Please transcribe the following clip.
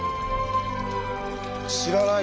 知らない。